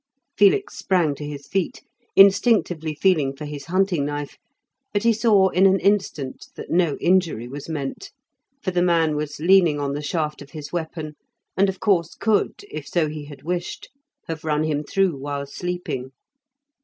Felix sprang to his feet, instinctively feeling for his hunting knife; but he saw in an instant that no injury was meant, for the man was leaning on the shaft of his weapon, and, of course, could, if so he had wished, have run him through while sleeping.